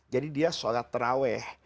jadi dia sholat taraweh